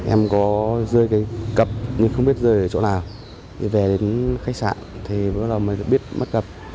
em có rơi cái cặp nhưng không biết rơi ở chỗ nào về đến khách sạn thì bất cứ lúc nào mới được biết mất cặp